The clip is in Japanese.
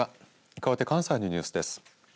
かわって関西のニュースです。